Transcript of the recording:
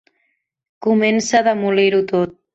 Comença a demolir-ho tot.